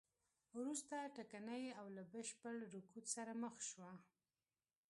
وروسته ټکنۍ او له بشپړ رکود سره مخ شوه.